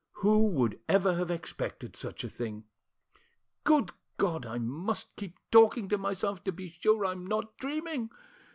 Who would ever have expected such a thing? Good God! I must keep talking to myself, to be sure I'm not dreaming.